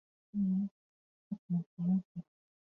游戏收到好评。